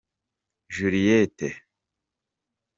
Juliet